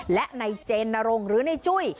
และในเจนนรงค์หรือในจุ้ย